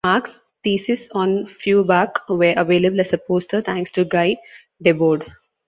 Marx's Theses on Feuerbach were available as a poster thanks to Guy Debord.